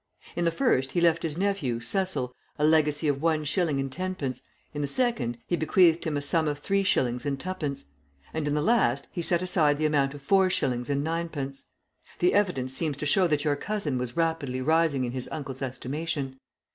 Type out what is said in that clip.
"In the first he left his nephew Cecil a legacy of one shilling and tenpence, in the second he bequeathed him a sum of three shillings and twopence, and in the last he set aside the amount of four shillings and ninepence. The evidence seems to show that your cousin was rapidly rising in his uncle's estimation.